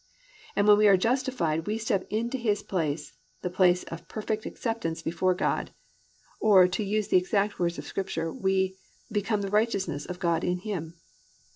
"+ And when we are justified we step into His place, the place of perfect acceptance before God, or to use the exact words of Scripture, we +"Become the righteousness of God in him."